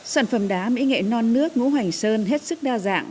sản phẩm đá mỹ nghệ non nước ngũ hành sơn hết sức đa dạng